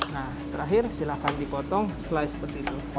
nah terakhir silakan dipotong slice seperti itu